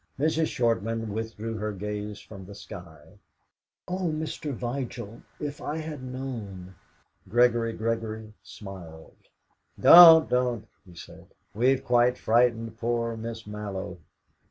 Mrs. Shortman withdrew her gaze from the sky. "Oh, Mr. Vigil, if I had known " Gregory Gregory smiled. "Don't, don't!" he said; "we've quite frightened poor Miss Mallow!"